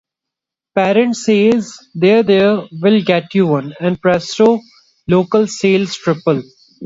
Parent says “There, there, we’ll get you one” and presto, local sales triple.